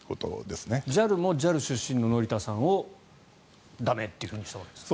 ＪＡＬもＪＡＬ出身の乗田さんを駄目としたわけですか。